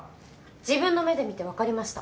自分の目で見てわかりました。